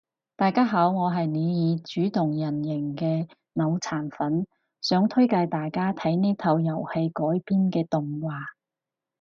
大家好我係尼爾自動人形嘅腦殘粉，想推介大家睇呢套遊戲改編嘅動畫